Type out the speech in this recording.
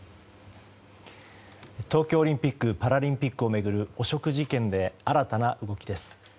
東京オリンピック・パラリンピックを巡る汚職事件で新たな動きです。